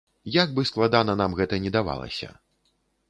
Як бы складана нам гэта ні давалася.